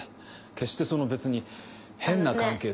決してその別に変な関係。